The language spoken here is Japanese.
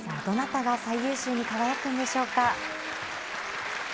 どなたが最優秀に輝くんでし